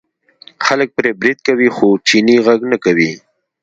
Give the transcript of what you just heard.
خلک پرې برید کوي خو چینی غږ نه کوي.